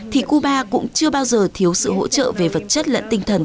thì cuba cũng chưa bao giờ thiếu sự hỗ trợ về vật chất lẫn tinh thần